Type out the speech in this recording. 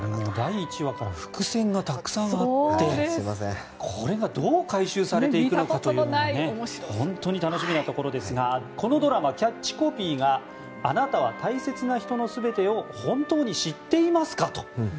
第１話から伏線がたくさんあってこれがどう回収されていくのかということが本当に楽しみなところですがこのドラマ、キャッチコピーが「あなたは大切な人のすべてを本当に知っていますか？」と。